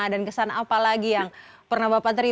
dan kesan apa lagi yang pernah bapak terima